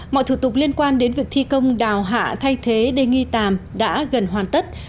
mọi thủ tục liên quan đến việc thi công đào hạ thế đê nghi tàm đã gần hoàn tất